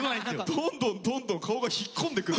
どんどんどんどん顔が引っ込んでくる。